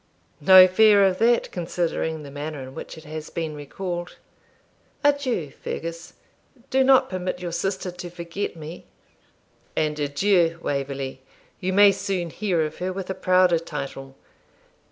'No fear of that, considering the manner in which it has been recalled. Adieu, Fergus; do not permit your sister to forget me.' 'And adieu, Waverley; you may soon hear of her with a prouder title.